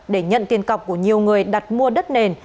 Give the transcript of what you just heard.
để nhận tiền cọc của nhiều người đặt mua đất nền